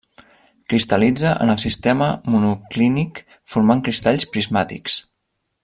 Cristal·litza en el sistema monoclínic, formant cristalls prismàtics.